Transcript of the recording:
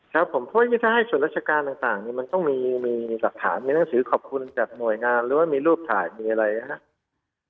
ครับผมเพราะว่าถ้าให้ส่วนราชการต่างมันต้องมีหลักฐานมีหนังสือขอบคุณจากหน่วยงานหรือว่ามีรูปถ่ายมีอะไรนะครับ